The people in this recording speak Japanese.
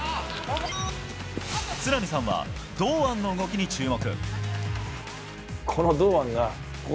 都並さんは、堂安の動きに注目。